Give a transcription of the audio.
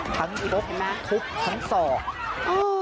ทั้งทุกทุกทั้งสอง